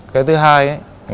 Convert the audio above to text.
cái thứ hai